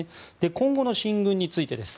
今後の進軍についてです。